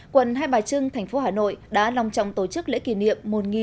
quận hai bà trưng thành phố hà nội đã lòng trọng tổ chức lễ kỷ niệm